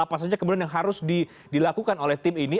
apa saja kemudian yang harus dilakukan oleh tim ini